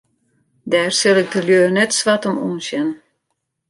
Dêr sil ik de lju net swart om oansjen.